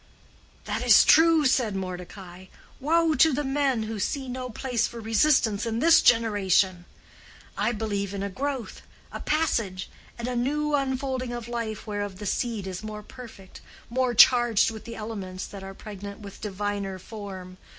"That is a truth," said Mordecai. "Woe to the men who see no place for resistance in this generation! I believe in a growth, a passage, and a new unfolding of life whereof the seed is more perfect, more charged with the elements that are pregnant with diviner form.